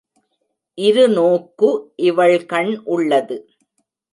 இருநோக்கு இவள்கண் உள்ளது.